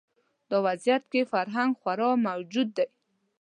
دا وضعیت کې فرهنګ خوار موجود دی